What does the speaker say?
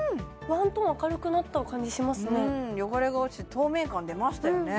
ワントーン明るくなった感じしますね汚れが落ちて透明感出ましたよね